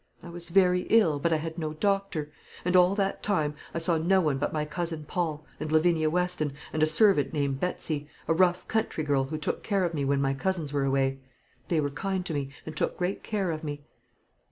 I was very ill, but I had no doctor; and all that time I saw no one but my cousin Paul, and Lavinia Weston, and a servant called Betsy, a rough country girl, who took care of me when my cousins were away. They were kind to me, and took great care of me."